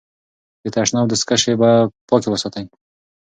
د تشناب دستکشې پاکې وساتئ.